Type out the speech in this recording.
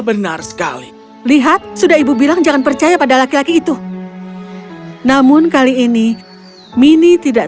benar sekali lihat sudah ibu bilang jangan percaya pada laki laki itu namun kali ini mini tidak